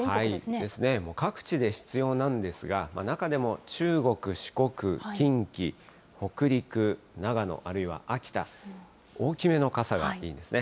ですね、各地で必要なんですが、中でも中国、四国、近畿、北陸、長野、あるいは秋田、大きめの傘がいいですね。